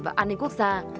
và an ninh quốc gia